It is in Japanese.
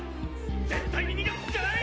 絶対に逃がすんじゃない！